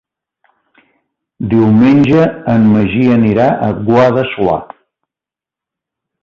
Diumenge en Magí anirà a Guadassuar.